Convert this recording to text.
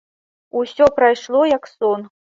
Усё прайшло, як сон.